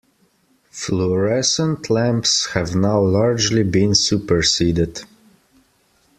Fluorescent lamps have now largely been superseded